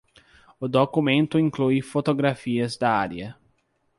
O documento inclui fotografias da área.